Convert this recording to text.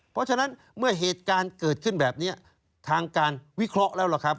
เพราะฉะนั้นเมื่อเหตุการณ์เกิดขึ้นแบบนี้ทางการวิเคราะห์แล้วล่ะครับ